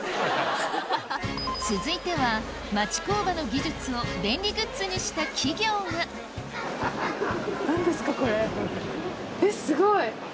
続いては町工場の技術を便利グッズにした企業が何ですかこれえっすごい。